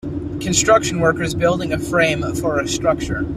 Construction workers building a frame for a structure.